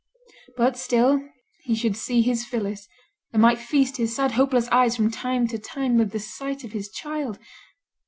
But still he should see his Phillis, and might feast his sad hopeless eyes from time to time with the sight of his child.